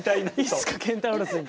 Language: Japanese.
いつかケンタウロスに。